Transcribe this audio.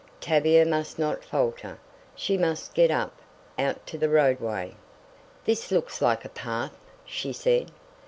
Tavia must not falter, she must get up, out to the roadway. "This looks like a path," she said.